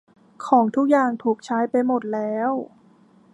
ของทุกอย่างถูกใช้ไปหมดแล้ว